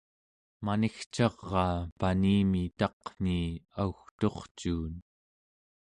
manigcaraa panimi taqmii augturcuun